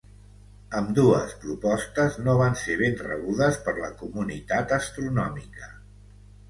Ambdues propostes no van ser ben rebudes per la comunitat astronòmica.